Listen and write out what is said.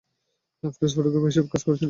Press photographer হিসেবে কাজ করেছেন দীর্ঘদিন।